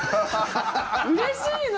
うれしいな！